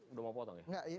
sudah mau potong ya